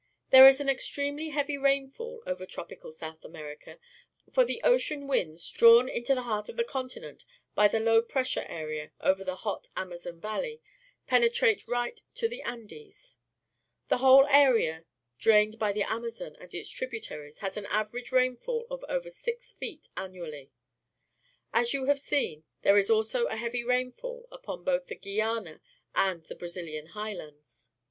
— There is an extremely heavy rainfall over tropical South America, for the ocean winds, drawn mto the heart of the continent by the low pressure area over the hot Amazon valley, penetrate right to the Andes. The whole area drained by the Amazon and its tributaries has an average rainfall of over six feet annually. As you have seen, there is also a heavy rain fall upon both the Guiana and the BraziUan Highlands.